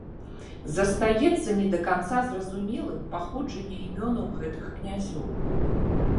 Застаецца не да канца зразумелым паходжанне імёнаў гэтых князёў.